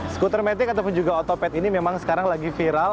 scootermatic ataupun juga otopet ini memang sekarang lagi viral